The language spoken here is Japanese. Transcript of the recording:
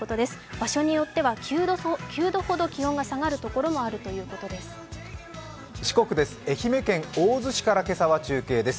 場所によっては９度ほど気温が下がるところもあるということです。